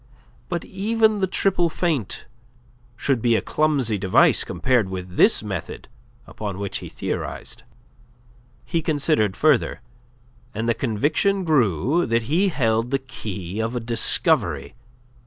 But even the triple feint should be a clumsy device compared with this method upon which he theorized. He considered further, and the conviction grew that he held the key of a discovery.